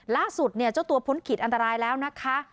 ล่าสุดเนี่ยเจ้าตัวพ้นขีดอันตรายแล้วนะคะ